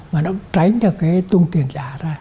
mà nó tránh được cái tung tiền giả ra